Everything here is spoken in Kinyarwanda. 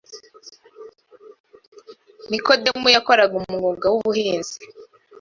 nikodemu yarakoraga umwuga w’ubuhinzi